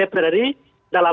yang paling menarik adalah apa